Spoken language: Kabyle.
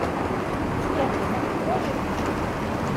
Skerkseɣ fell-awent.